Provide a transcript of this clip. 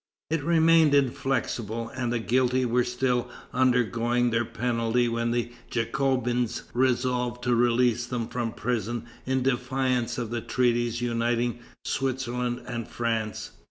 It remained inflexible, and the guilty were still undergoing their penalty when the Jacobins resolved to release them from prison in defiance of the treaties uniting Switzerland and France.